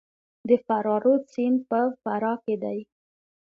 د فرا رود سیند په فراه کې دی